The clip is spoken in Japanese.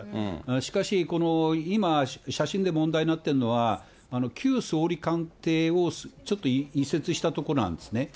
しかしこの今、写真で問題になってるのは、旧総理官邸をちょっと移設した所なんですね。